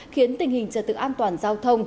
khiến tình hình trật tự an toàn giao thông